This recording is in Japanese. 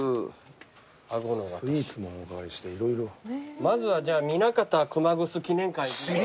まずはじゃあ南方熊楠記念館。